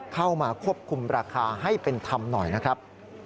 เข้ามาควบคุมราคาให้เป็นธรรมหน่อยนะครับ